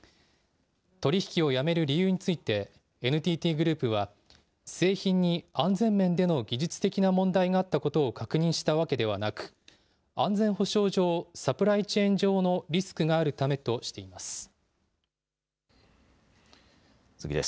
取り引きをやめる理由についてＮＴＴグループは製品に安全面での技術的な問題があったことを確認したわけではなく安全保障上、サプライチェーン上のリスクがあるためとしています。